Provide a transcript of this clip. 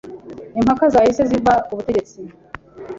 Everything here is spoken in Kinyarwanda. Impaka zahise ziva kubutegetsi.